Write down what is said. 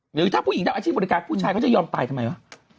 หรือถ้าผู้หญิงทำอาชีพบริการผู้ชายเขาจะยอมตายทำไมวะ